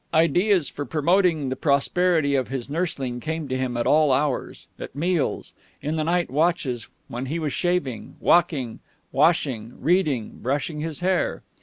Ideas for promoting the prosperity of his nursling came to him at all hours at meals, in the night watches, when he was shaving, walking, washing, reading, brushing his hair.